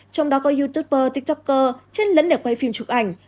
trong đó có youtuber tiktoker trên lấn để quay phim chụp ảnh